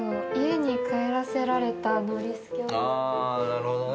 なるほどね。